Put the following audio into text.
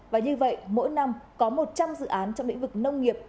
và như vậy mỗi năm có một trăm linh dự án trong lĩnh vực nông nghiệp